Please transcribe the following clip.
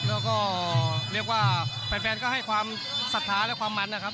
แล้วก็เรียกว่าแฟนก็ให้ความศรัทธาและความมันนะครับ